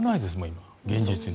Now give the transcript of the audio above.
今、現実に。